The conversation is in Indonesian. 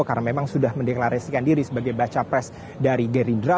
karena memang sudah mendenglarisikan diri sebagai bacapres dari gerindra